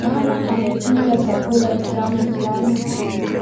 Mama amepika chakula kitamu sana.